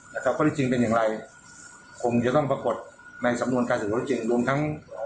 แล้วก็ความจริงเป็นอย่างไรคงจะต้องปรากฏในสำนวนการสุดโลกรุ่งจริง